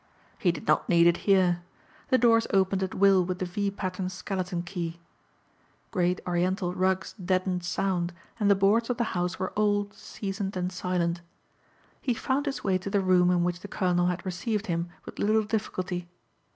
He did not need it here. The doors opened at will with the "V" pattern skeleton key. Great oriental rugs deadened sound and the boards of the house were old, seasoned and silent. He found his way to the room in which the colonel had received him with little difficulty.